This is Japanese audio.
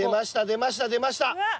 出ました出ました！